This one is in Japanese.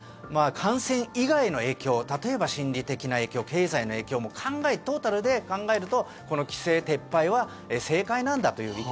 そういった方々は感染以外の影響例えば心理的な影響経済の影響も考えてトータルで考えるとこの規制撤廃は正解なんだという意見。